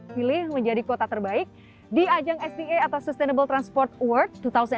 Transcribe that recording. pilih menjadi kota terbaik di ajang sda atau sustainable transport award dua ribu delapan belas